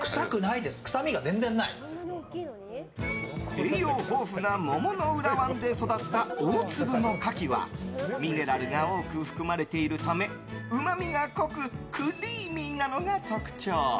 栄養豊富な桃浦湾で育った大粒のカキはミネラルが多く含まれているためうまみが濃くクリーミーなのが特徴。